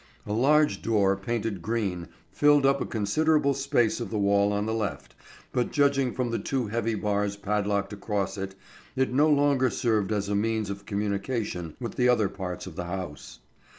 A large door painted green filled up a considerable space of the wall on the left, but judging from the two heavy bars padlocked across it, it no longer served as a means of communication with the other parts of the house.